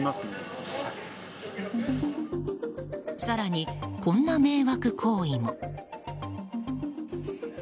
更にこんな迷惑行為も。